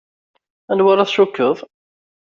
Anwa ara tcukkeḍ?